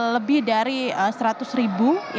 lebih dari seratus ribu